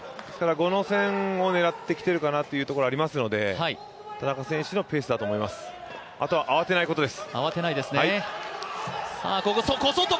後の先を狙ってきてるかなと思いますので田中選手のペースだと思います、あとは慌てないことです。